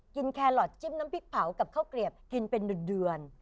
แครอทจิ้มน้ำพริกเผากับข้าวเกลียบกินเป็นเดือน